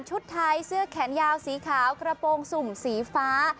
ไทยเสื้อแขนยาวสีขาวกระโปรงสุ่มสีฟ้า